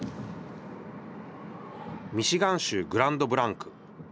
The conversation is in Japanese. ミシガン州グランドブランク。